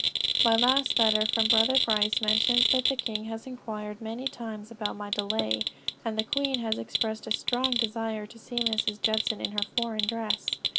"My last letter from brother Price mentions that the king has inquired many times about my delay, and the queen has expressed a strong desire to see Mrs. Judson in her foreign dress.